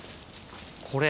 これ。